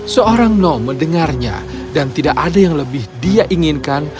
seorang no mendengarnya dan tidak ada yang lebih dia inginkan